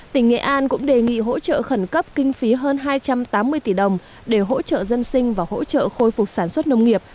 tỉnh nghệ an cũng đề nghị hỗ trợ khẩn cấp kinh phí hơn hai trăm tám mươi tỷ đồng để hỗ trợ dân sinh và hỗ trợ khôi phục sản xuất nông nghiệp